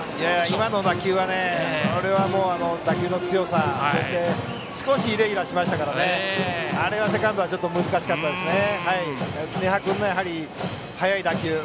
今の打球は、打球の強さ少しイレギュラーしましたからあれはセカンドはちょっと難しかったですね。